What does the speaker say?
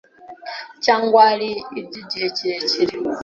cyangwa ari iry’igihe kirekire.